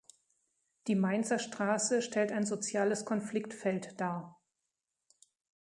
Die Mainzer Straße stellt ein soziales Konfliktfeld dar.